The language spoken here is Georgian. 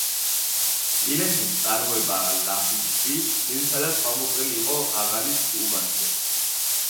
სპილენძის წარმოება ლაჰიჯში ძირითადად თავმოყრილი იყო „აღალის“ უბანში.